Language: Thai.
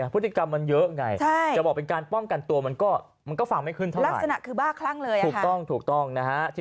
พฤติกรรมมันเยอะไงจะบอกเป็นการป้องกันตัวมันก็ฟังไม่ขึ้นเท่าไหรลักษณะคือบ้าคลั่งเลยถูกต้องถูกต้องนะฮะ